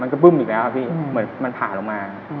ก็บึ้มอีกแล้วครับพี่เหมือนมันผ่าลงมา